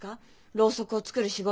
ろうそくを作る仕事を。